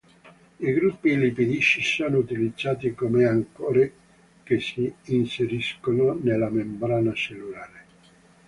I gruppi lipidici sono utilizzati come ancore che si inseriscono nella membrana cellulare.